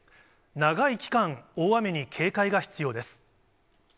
長い期間、大雨に警戒が必要です。